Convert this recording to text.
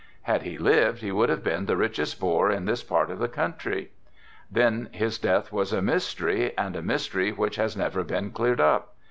Had he lived he would have been the richest Boer in this part of the country. Then his death was a mystery and a mystery which has never been cleared up.